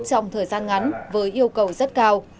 trong thời gian ngắn với yêu cầu rất cao